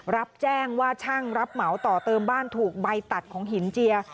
รับแจ้งว่าช่างรับเหมาต่อเติมบ้านถูกใบตัดของหินเจีย